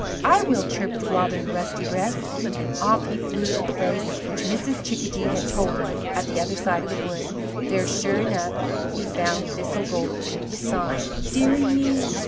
"I will," chirped Robin Rusty breast, and off he flew to the place which Mrs. Chickadee had told of, at the other side of the wood. There, sure enough, he found Thistle Goldfinch sighing: "Dear ie me!